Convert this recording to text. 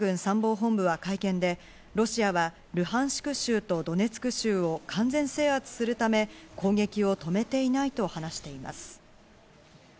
ウクライナ軍参謀本部は会見でロシアはルハンシクシク州とドネツク州を完全制圧するため、攻撃を止めていないと話しています。